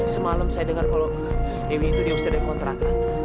semalam saya dengar kalau dewi itu dia sudah kontrakan